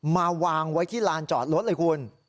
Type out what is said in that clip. มาวางไว้ที่ลานจอดรถเลยคุณ